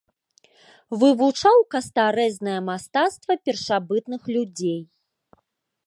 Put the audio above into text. Вывучаў кастарэзнае мастацтва першабытных людзей.